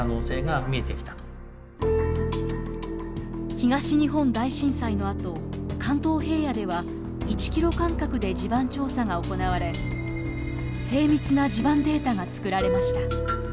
東日本大震災のあと関東平野では１キロ間隔で地盤調査が行われ精密な地盤データが作られました。